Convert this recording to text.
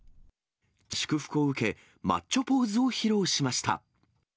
祝福を受け、マッチョポーズを披露しました。